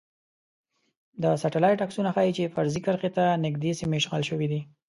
د سټلایټ عکسونه ښايی چې فرضي کرښې ته نږدې سیمې اشغال شوي دي